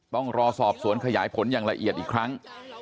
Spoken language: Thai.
ต้องรอสอบสวนขยายผลอย่างละเอียดอีกครั้ง